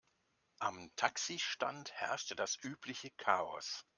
Am Taxistand herrschte das übliche Chaos.